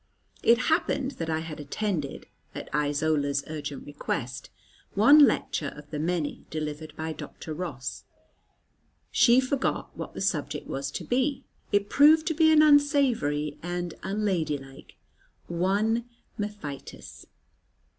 It happened that I had attended, at Isola's urgent request, one lecture of the many delivered by Dr. Ross. She forgot what the subject was to be. It proved to be an unsavoury and "unlady like" one Mephitis.